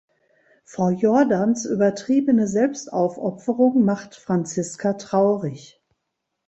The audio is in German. Frau Jordans übertriebene Selbstaufopferung macht Franziska traurig.